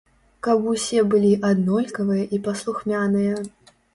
Каб усе былі аднолькавыя і паслухмяныя.